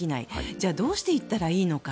じゃあどうしていったらいいのか。